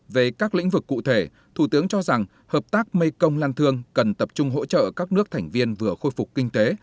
về các lĩnh vực cụ thể thủ tướng cho rằng hợp tác mekong lan thương cần tập trung hỗ trợ các nước thành viên vừa khôi phục kinh tế